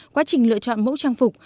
quá trình lựa chọn mẫu trang phục